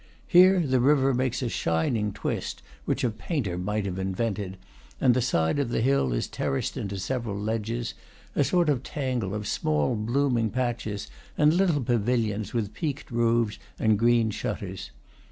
Here the river makes a shining twist, which a painter might have invented, and the side of the hill is terraced into several ledges, a sort of tangle of small blooming patches and little pavillions with peaked roofs and green shutters.